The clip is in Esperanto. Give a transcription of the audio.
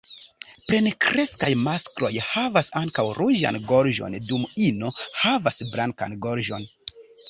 Plenkreskaj maskloj havas ankaŭ ruĝan gorĝon, dum ino havas blankan gorĝon.